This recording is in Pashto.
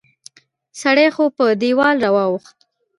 سړی خو په دیوال را واوښت